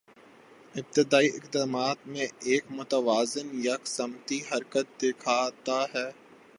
ابتدائی اقدامات میں ایک متوازن یکسمتی حرکت دکھاتا ہے